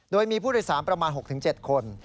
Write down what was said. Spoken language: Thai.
โดยมีผู้โดยสารประมาณ๖๗คน